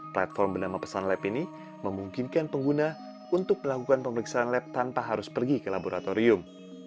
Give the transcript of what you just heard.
platform bernama pesan lab ini memungkinkan pengguna untuk melakukan pemeriksaan lab tanpa harus pergi ke laboratorium